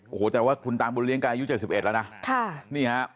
โอ้โหแต่ว่าคุณตามบุญเลี้ยงกายอายุ๗๑แล้วนะ